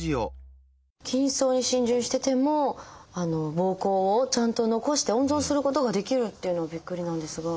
筋層に浸潤してても膀胱をちゃんと残して温存することができるっていうのはびっくりなんですが。